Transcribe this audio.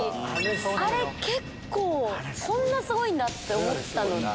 あれ結構こんなすごいんだ！って思ったので。